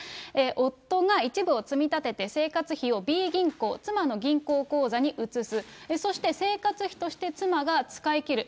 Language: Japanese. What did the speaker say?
夫が一部を積み立てて生活費をＢ銀行、妻の銀行口座に移す、そして生活費として妻が使い切る。